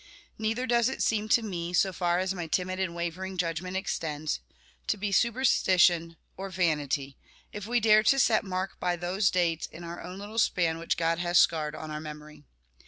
Neither does it seem to me so far as my timid and wavering judgment extends to be superstition or vanity, if we dare to set mark by those dates in our own little span which God has scarred on our memory.